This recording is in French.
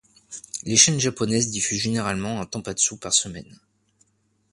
Les chaines japonaises diffusent généralement un tanpatsu par semaine.